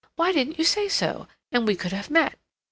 Why didn't you say so, and we could have met?